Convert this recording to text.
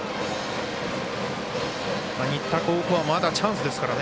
新田高校はまだチャンスですからね。